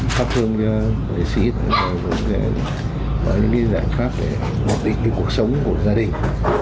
phát thương cho giới sĩ có những giải pháp để hoạt định cuộc sống của gia đình